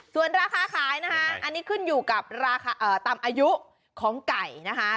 ส่วนราคาขายนะคะอันนี้ขึ้นอยู่กับราคาตามอายุของไก่นะคะ